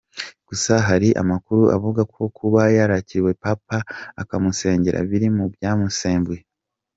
Gusa hari amakuru avuga ko kuba yarakiriye Papa akamusengera biri mu byamusembuye.